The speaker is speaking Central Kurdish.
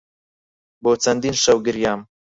بۆ چەندین شەو گریام.